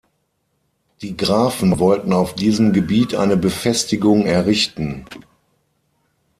Die Grafen wollten auf diesem Gebiet eine Befestigung errichten.